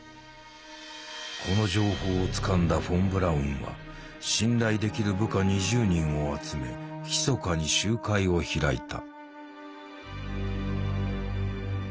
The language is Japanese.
この情報をつかんだフォン・ブラウンは信頼できる部下２０人を集めひそかに集会を開いた。